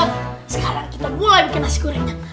nah dot sekarang kita mulai bikin nasi gorengnya